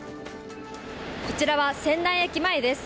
こちらは仙台駅前です。